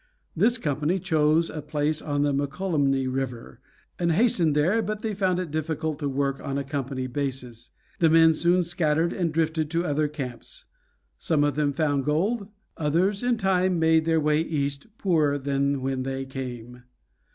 This company chose a place on the Mokelumne River, and hastened there, but they found it difficult to work on a company basis. The men soon scattered and drifted to other camps; some of them found gold, others in time made their way east poorer than when they came.